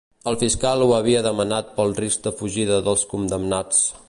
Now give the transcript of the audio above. El fiscal ho havia demanat pel risc de fugida dels condemnats.